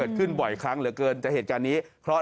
ดั่วเท่าขาจริงงูเห่า